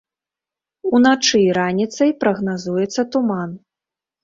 Уначы і раніцай прагназуецца туман.